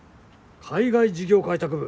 海外事業開拓部？